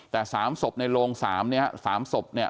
แต่๓ศพในโรง๓เนี่ย๓ศพเนี่ย